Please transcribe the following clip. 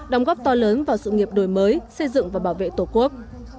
đóng góp to lớn vào sự nghiệp đổi mới xây dựng và bảo vệ tổ quốc